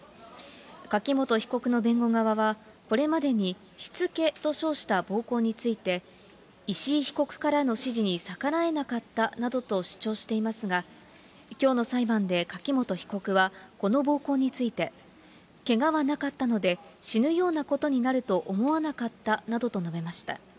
柿本被告の弁護側は、これまでにしつけと称した暴行について、石井被告からの指示に逆らえなかったなどと主張していますが、きょうの裁判で柿本被告はこの暴行について、けがはなかったので、死ぬようなことになると思わなかったなどと述べました。